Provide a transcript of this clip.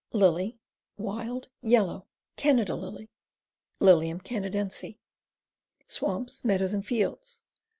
Lily, Wild Yellow. Canada Lily. Lilium Canadense. Swamps, meadows and fields.